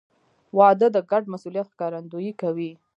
• واده د ګډ مسؤلیت ښکارندویي کوي.